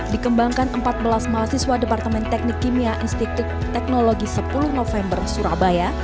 dikembangkan empat belas mahasiswa departemen teknik kimia institut teknologi sepuluh november surabaya